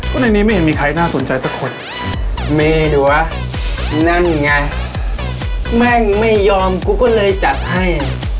ก็ในนี้ไม่เห็นมีใครน่าสนใจสักคนเมดัวนั่นไงแม่งไม่ยอมกูก็เลยจัดให้